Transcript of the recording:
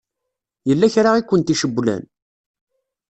Yella kra i kent-icewwlen?